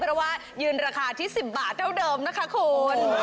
เพราะว่ายืนราคาที่๑๐บาทเท่าเดิมนะคะคุณ